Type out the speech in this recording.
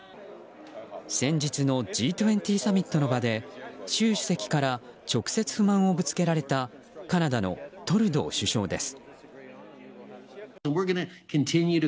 先日のＧ２０サミットの場で習主席から直接不満をぶつけられたカナダのトルドー首相です。